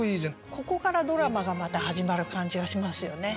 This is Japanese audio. ここからドラマがまた始まる感じがしますよね。